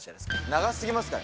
長すぎますかね。